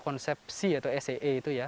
konsepsi atau se itu ya